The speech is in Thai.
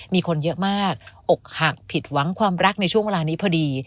มีคนเยอะมากอกหักผิดหวังความรักในช่วงเวลานี้พอดี